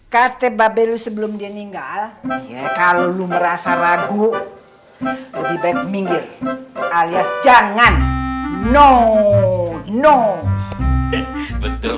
kate babelus sebelum dia ninggal kalau lu merasa ragu lebih baik minggir alias jangan no no betul